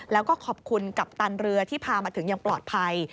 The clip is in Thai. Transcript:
แล้วก็ขอบคุณกัปตันเรือที่พามาถึงอย่างปลอดภัย